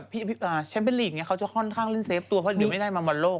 แชมป์เป็นลีกเนี่ยเขาจะค่อนข้างเล่นเซฟตัวเพราะเดี๋ยวไม่ได้มาบอลโลก